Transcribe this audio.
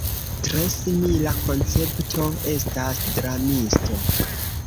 Tre simila koncepto estas dramisto.